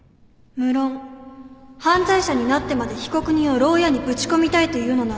むろん犯罪者になってまで被告人をろう屋にぶち込みたいというのなら